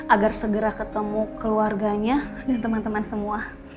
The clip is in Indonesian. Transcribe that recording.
agar segera ketemu keluarganya dan teman teman semua